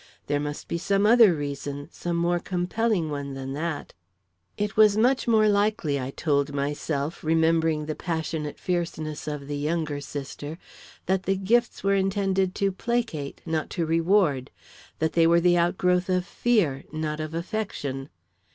There must be some other reason, some more compelling one than that. It was much more likely, I told myself, remembering the passionate fierceness of the younger sister, that the gifts were intended to placate, not to reward; that they were the outgrowth of fear, not of affection.